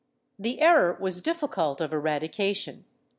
The error was difficult of eradication.